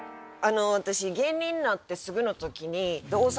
私芸人になってすぐの時に。